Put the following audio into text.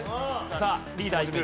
さあリーダーいく。